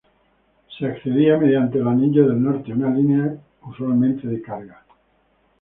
Se accedía mediante el "Anillo del Norte", una línea usualmente de carga.